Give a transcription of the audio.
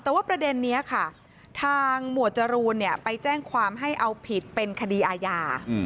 แต่ว่าประเด็นนี้ค่ะทางหมวดจรูนไปแจ้งความให้เอาผิดเป็นคดีอาญา